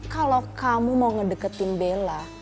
kalau kamu mau ngedeketin bella